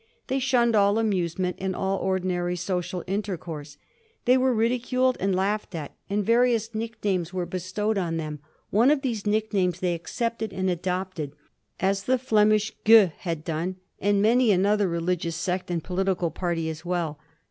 They shunned all amusement and all ordinary social intercourse. They were ridiculed 1738. TORPOR OF THE ENGLISH CHURCH. 129 and laagbed at, and various nicknames were bestowed on them. One of these nicknames they accepted and adopted; as the Flemish Giieux had done, and many an other religious sect and political party as well.